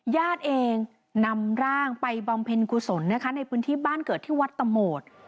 ญาติเองนำร่างไปบำเพ็ญกุศลนะคะในพื้นที่บ้านเกิดที่วัดตะโหมด